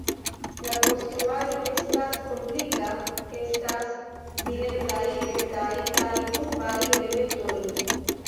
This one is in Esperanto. La konstruaĵo estas komplika, estas videblaj rektaj kaj kurbaj elementoj.